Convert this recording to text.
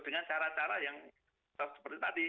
dengan cara cara yang seperti tadi